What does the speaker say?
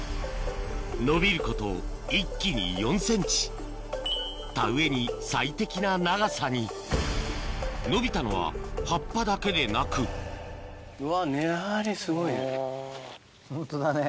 伸びること一気に４ｃｍ田植えに最適な長さに伸びたのは葉っぱだけでなくホントだね。